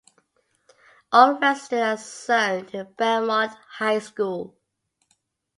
All residents are zoned to Belmont High School.